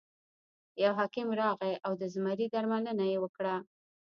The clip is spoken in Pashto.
یو حکیم راغی او د زمري درملنه یې وکړه.